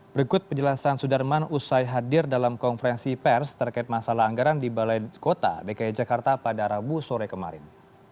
berikut penjelasan sudarman usai hadir dalam konferensi pers terkait masalah anggaran di balai kota dki jakarta pada rabu sore kemarin